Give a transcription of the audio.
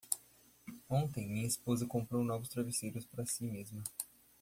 Ontem minha esposa comprou novos travesseiros para si mesma.